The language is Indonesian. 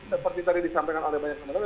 seperti tadi disampaikan oleh banyak banyak